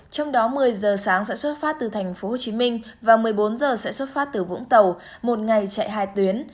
trong đó một mươi giờ sáng sẽ xuất phát từ tp hcm và một mươi bốn giờ sẽ xuất phát từ vũng tàu một ngày chạy hai tuyến